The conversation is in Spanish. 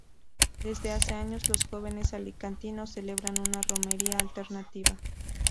Desde hace años, los jóvenes alicantinos celebran una romería alternativa.